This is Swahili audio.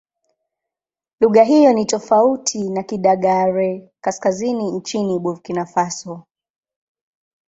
Lugha hiyo ni tofauti na Kidagaare-Kaskazini nchini Burkina Faso.